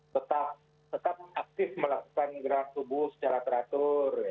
jadi tetap aktif melakukan gerak tubuh secara teratur